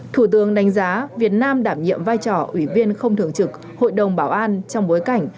thủ tướng đánh giá việt nam đảm nhiệm vai trò ủy viên không thường trực hội đồng bảo an trong bối cảnh